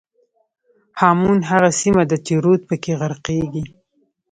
هامون هغه سیمه ده چې رود پکې غرقېږي.